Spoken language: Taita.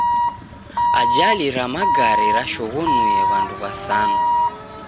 Ajali ra magare rashoghonue w'andu w'asanu.